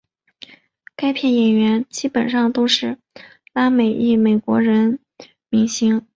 该片演员基本上都是拉美裔美国人明星。